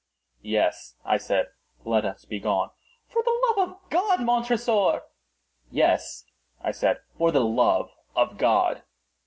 "Yes," I said, "let us be gone." "For the love of God, Montressor!" "Yes," I said, "for the love of God!"